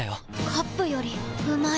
カップよりうまい